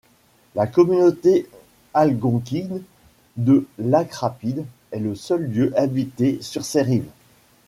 La communauté algonquine de Lac-Rapide est le seul lieu habité sur ses rives.